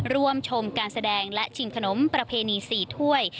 ร่วมชมการแสดงและชิมขนมประเพณี๔ถ้วย